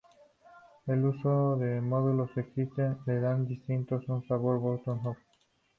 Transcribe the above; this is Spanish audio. El uso de módulos existentes le dan al diseño un sabor "bottom-up".